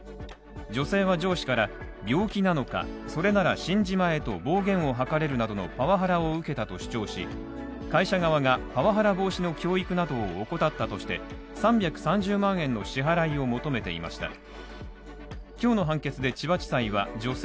女性は上司から病気なのか、それなら死んじまえと暴言をはかれるなどのパワハラを受けたと主張し会社側がパワハラ防止の教育などを怠ったとして、３３０万円の支払いを求めていました。